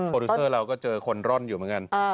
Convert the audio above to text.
ดิวเซอร์เราก็เจอคนร่อนอยู่เหมือนกัน